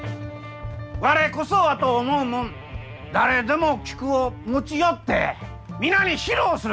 我こそはと思う者誰でも菊を持ち寄って皆に披露するがじゃ！